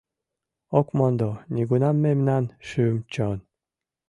Ок мондо нигунам мемнан шӱм-чон.